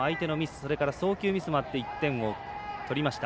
それから、送球ミスもあって１点を取りました。